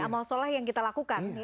amal solah yang kita lakukan